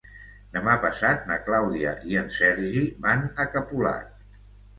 Demà passat na Clàudia i en Sergi van a Capolat.